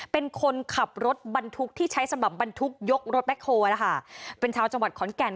เป็นคนขับรถบรรทุกที่ใช้สำหรับบรรทุกยกรถแบ็คโฮลนะคะเป็นชาวจังหวัดขอนแก่น